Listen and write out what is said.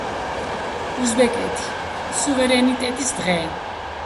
უზბეკეთი: სუვერენიტეტის დღე.